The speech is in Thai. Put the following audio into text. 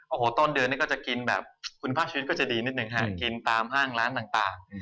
โอ้โหต้นเดือนนี้ก็จะกินแบบคุณภาพชีวิตก็จะดีนิดหนึ่งฮะกินตามห้างร้านต่าง